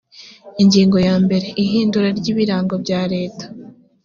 ingingo ya mbere ihindura ry ibirango byaleta